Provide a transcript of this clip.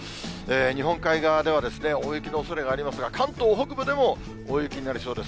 日本海側では大雪のおそれがありますが、関東北部でも大雪になりそうです。